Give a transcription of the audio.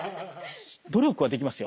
努力はできますよ。